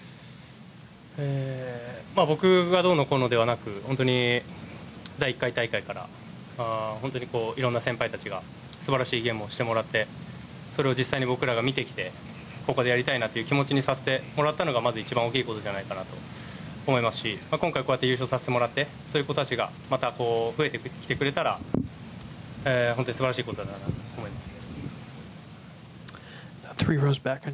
僕がどうのこうのではなく第１回大会から色んな先輩たちが素晴らしいゲームをしてもらってそれを実際に僕らが見てきてここでやりたいなという気持ちにさせてもらったのがまず一番大きいことじゃないかなと思いますし今回こうやって優勝させてもらってそういう子たちがまた増えてきてくれたら本当に素晴らしいことだなと思います。